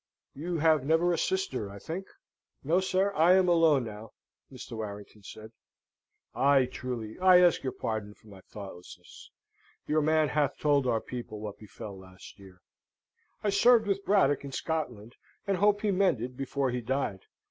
You have never a sister, I think?" "No, sir, I am alone now," Mr. Warrington said. "Ay, truly, I ask your pardon for my thoughtlessness. Your man hath told our people what befell last year. I served with Braddock in Scotland; and hope he mended before he died.